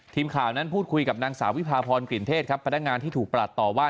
ทีมข่าวนั้นพูดคุยกับนางสาววิพาพรกลิ่นเทศครับพนักงานที่ถูกปลัดต่อว่า